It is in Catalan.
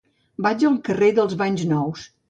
Vaig al carrer dels Banys Nous.